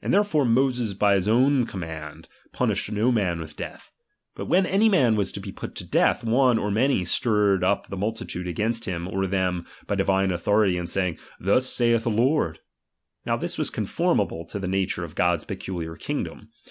And therefore Moses by his own I command punished no man with death ; but when I any man was to be put to death, one or many I stirred up the multitude against him or them, by I divine authority, aud saying, Thus saifh the Lord, I Now this was conformable to the nature of God's I peculiar kingdom.